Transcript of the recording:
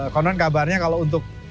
konon kabarnya kalau untuk